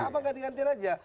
nanti bang ganti gantikan aja